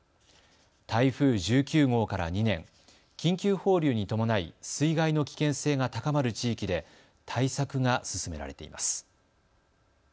台風１９号から２年、緊急放流に伴い、水害の危険性が高まる地域で対策が進められています。